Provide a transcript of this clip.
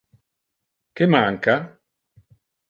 Que manca?